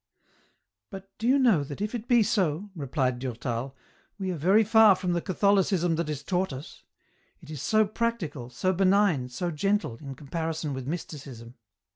" But do you know that if it be so," replied Durtal, " we are very far from the Catholicism that is taught us ? It is so practical, so benign, so gentle, in comparison with Mysticism."